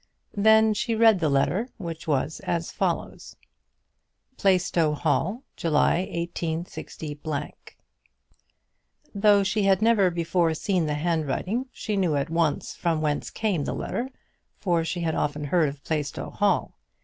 Then she read the letter, which was as follows: "Plaistow Hall, July, 186 ." Though she had never before seen the handwriting, she knew at once from whence came the letter, for she had often heard of Plaistow Hall.